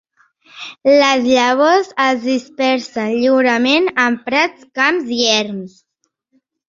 Les llavors es dispersen lliurement en prats, camps i erms.